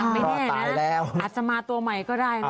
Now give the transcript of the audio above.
ไม่แน่นะอาจจะมาตัวใหม่ก็ได้นะ